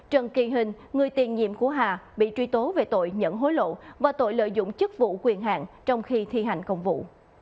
trần kỳ hình người tiền nhiệm của hà bị truy tố về tội nhận hối lộ và tội lợi dụng chức vụ quyền hạn trong khi thi hành công vụ